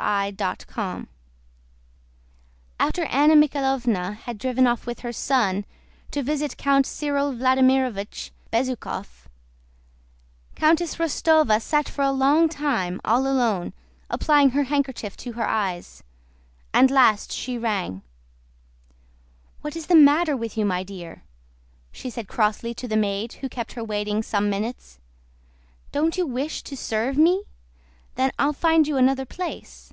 CHAPTER XVII After Anna Mikháylovna had driven off with her son to visit Count Cyril Vladímirovich Bezúkhov, Countess Rostóva sat for a long time all alone applying her handkerchief to her eyes. At last she rang. "What is the matter with you, my dear?" she said crossly to the maid who kept her waiting some minutes. "Don't you wish to serve me? Then I'll find you another place."